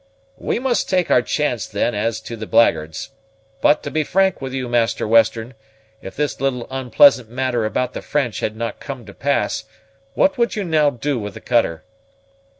"We must take our chance, then, as to the blackguards; but, to be frank with you, Master Western, if this little unpleasant matter about the French had not come to pass, what would you now do with the cutter?"